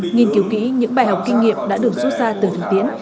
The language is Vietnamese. nghiên cứu kỹ những bài học kinh nghiệm đã được xuất ra từ thực tiễn